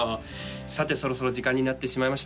さてそろそろ時間になってしまいました